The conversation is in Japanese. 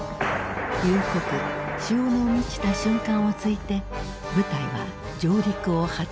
夕刻潮の満ちた瞬間をついて部隊は上陸を果たした。